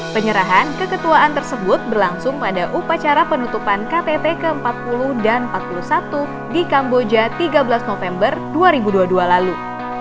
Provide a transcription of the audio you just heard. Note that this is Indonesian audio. penyerahan keketuaan tersebut berlangsung pada upacara penutupan ktt ke empat puluh dan ke empat puluh satu di kamboja tiga belas november dua ribu dua puluh dua lalu